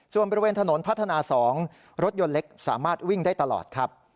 ส่วนบริเวณถนนพัฒนา๒รถยนต์เล็กสามารถวิ่งได้ตลอดครับ